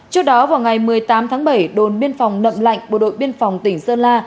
trước đó vào ngày một mươi tám tháng bảy đồn biên phòng nậm lạnh bộ đội biên phòng tỉnh sơn la